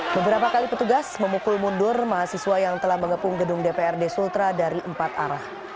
beberapa kali petugas memukul mundur mahasiswa yang telah mengepung gedung dprd sultra dari empat arah